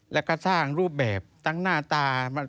แล้วก็สร้างรูปแบบทั้งหน้าตา